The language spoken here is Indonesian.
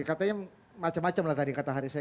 katanya macam macam lah tadi kata hari saya